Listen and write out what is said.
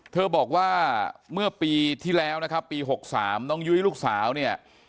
เธอบอกว่าเมื่อปีที่แล้วนะครับปี๖๓น้องยุ้ยลูกสาวเนี่ย